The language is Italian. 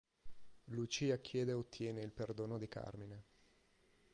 Lucia chiede e ottiene il perdono di Carmine.